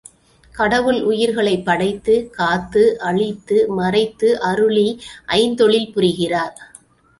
கடவுள் உயிர்களைப் படைத்துக் காத்து அழித்து மறைத்து அருளி ஐந்தொழில் புரிகிறார்.